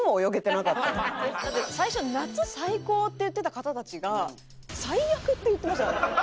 だって最初「夏最高ー！」って言ってた方たちが「最悪！」って言ってましたよね。